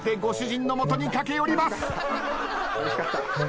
おいしかった？